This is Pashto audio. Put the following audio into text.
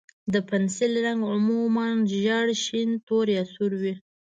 د پنسل رنګ عموماً ژېړ، شین، تور، یا سور وي.